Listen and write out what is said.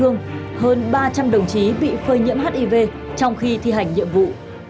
trong đó một đồng chí bị phơi nhiễm hiv trong khi thi hành nhiệm vụ